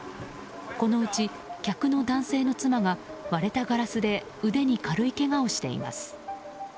このうち、客の男性の妻が割れたガラスで腕に軽いけがをしています。